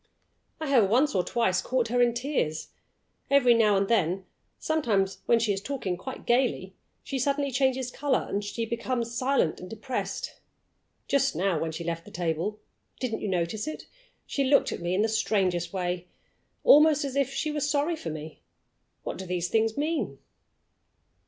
"I have once or twice caught her in tears. Every now and then sometimes when she is talking quite gayly she suddenly changes color and becomes silent and depressed. Just now, when she left the table (didn't you notice it?), she looked at me in the strangest way almost as if she was sorry for me. What do these things mean?"